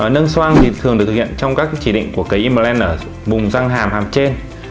nâng xoang thì thường được thực hiện trong các chỉ định của cái implant ở vùng răng hàm hàm trên